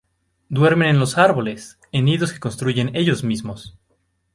Duermen en los árboles, en nidos que construyen ellos mismos.